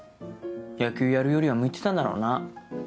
野球やるよりは向いてたんだろうな。